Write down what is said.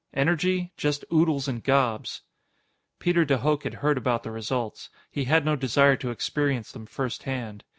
Energy? Just oodles and gobs. Peter de Hooch had heard about the results. He had no desire to experience them first hand.